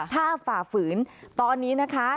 ถ้าฝ่าฝืนตอนนี้นะคะ